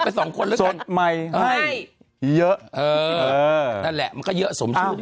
พี่ให้เยอะเถยหรือผมเยอะเอง